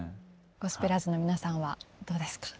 ゴスペラーズの皆さんはどうですか？